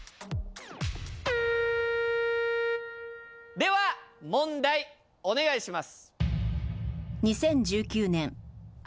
では問題お願いします。